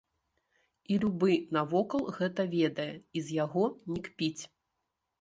І любы навокал гэта ведае і з яго не кпіць.